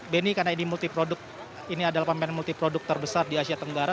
benny karena ini multi produk ini adalah pemain multi produk terbesar di asia tenggara